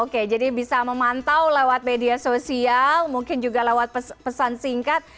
oke jadi bisa memantau lewat media sosial mungkin juga lewat pesan singkat